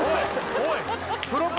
おい！